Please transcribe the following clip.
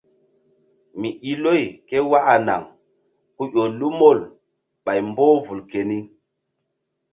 Mi i loy ké waka naŋ ku ƴo lu mol ɓay mboh vul keni.